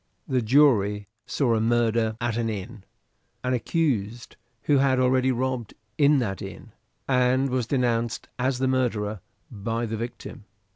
The jury saw a murder at an inn; an accused, who had already robbed in that inn, and was denounced as his murderer by the victim.